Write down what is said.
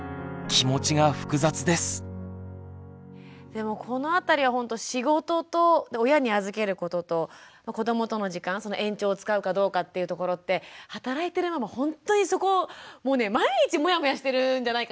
でもこのあたりはほんと仕事と親に預けることと子どもとの時間その延長を使うかどうかっていうところって働いてるママほんとにそこもうね毎日モヤモヤしてるんじゃないかなって。